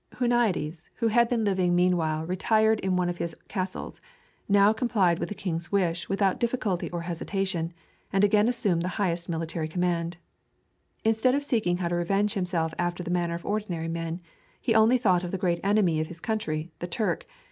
Huniades, who had been living meanwhile retired in one of his castles, now complied with the king's wish without difficulty or hesitation, and again assumed the highest military command. Instead of seeking how to revenge himself after the manner of ordinary men, he only thought of the great enemy of his country, the Turk.